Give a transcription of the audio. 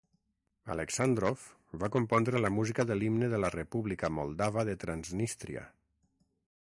Aleksàndrov va compondre la música de l'Himne de la República Moldava de Transnístria.